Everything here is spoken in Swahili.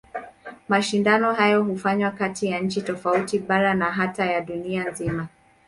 Mashindano hayo hufanywa kati ya nchi tofauti, bara na hata ya dunia nzima.